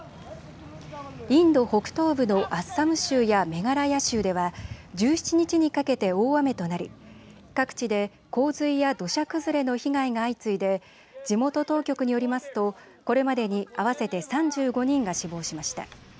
インド北東部のアッサム州やメガラヤ州では１７日にかけて大雨となり各地で洪水や土砂崩れの被害が相次いで地元当局によりますとこれまでに合わせて３５人が死亡しました。